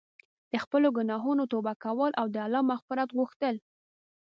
د خپلو ګناهونو توبه کول او د الله مغفرت غوښتل.